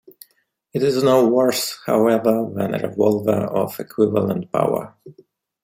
It is no worse, however, than a revolver of equivalent power.